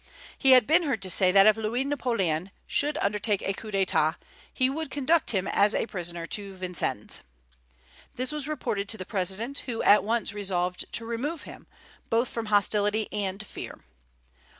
He had been heard to say that if Louis Napoleon should undertake a coup d'état, he would conduct him as a prisoner to Vincennes. This was reported to the President, who at once resolved to remove him, both from hostility and fear.